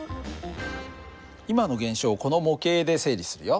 今の現象をこの模型で整理するよ。